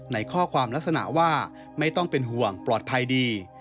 ในข้อความลักษณะว่าไม่ต้องเป็นห่วงปลอดภัยดี